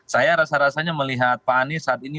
saya rasa rasanya melihat pak anies saat ini